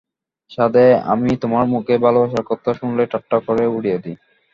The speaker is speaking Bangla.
সাধে আমি তোমার মুখে ভালোবাসার কথা শুনলেই ঠাট্টা করে উড়িয়ে দি।